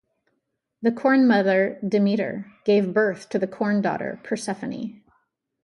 The Corn Mother Demeter gave birth to the Corn Daughter Persephone.